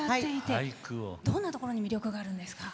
どんなところに魅力があるんですか？